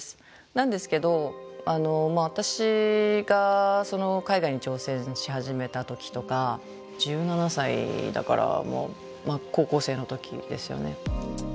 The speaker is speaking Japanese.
なんですけど私が海外に挑戦し始めた時とか１７歳だからまあ高校生の時ですよね。